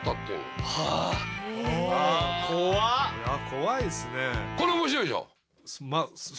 怖いですね。